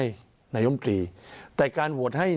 ที่ไม่มีนิวบายในการแก้ไขมาตรา๑๑๒